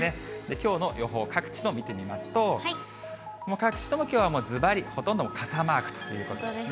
きょうの予報、各地のを見てみますと、各地ともきょうはずばりほとんど傘マークということですね。